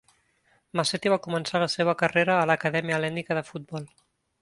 Maseti va començar la seva carrera a l'Acadèmia Hel·lènica de Futbol.